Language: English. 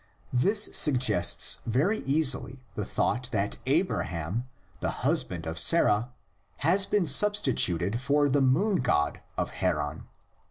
This suggests very easily the thought that Abra ham, the husband of Sarah, has been substituted for the (moon ) god of Haran.